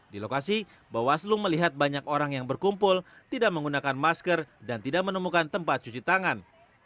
di lokasi bawaslu melihat banyak orang yang berkumpul tidak menggunakan masker dan tidak menemukan tempat cuci tangan